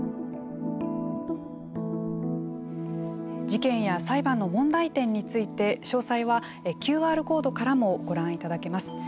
事件や裁判の問題点について詳細はＱＲコードからもご覧いただけます。